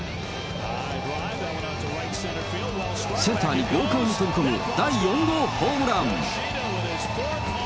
センターに豪快に飛び込む第４号ホームラン。